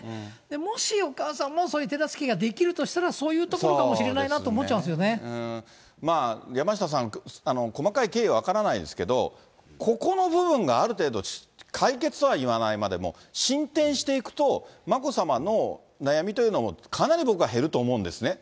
もしお母さんも、そういう手助けができるとしたら、そういうところかもしれないなと思っちゃいま山下さん、細かい経緯は分からないですけど、ここの部分がある程度、解決とは言わないまでも、進展していくと、眞子さまの悩みというのも、かなり僕は減ると思うんですね。